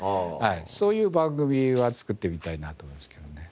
そういう番組は作ってみたいなと思うんですけどね。